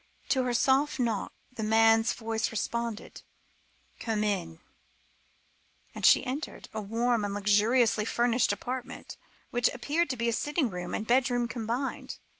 To her soft knock, a man's voice responded: "Come in," and she entered a warm and luxuriously furnished apartment, which appeared to be sitting room and bedroom combined.